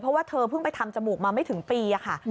เพราะว่าเธอเพิ่งไปทำจมูกมาไม่ถึงปีค่ะ